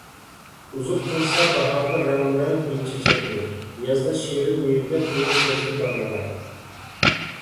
ئۇزۇق قىلسا باھاردا رەڭمۇرەڭ گۈل - چېچەكنى، يازدا شېرىن مېۋىگە تويۇپ كەزدى باغ - ۋاران.